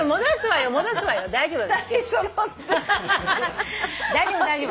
大丈夫大丈夫。